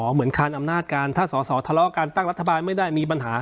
คานอำนาจการถ้าสอสอทะเลาะการตั้งรัฐบาลไม่ได้มีปัญหา